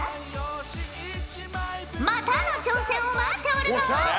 またの挑戦を待っておるぞ！